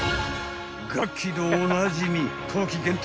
［ガッキーでおなじみ冬季限定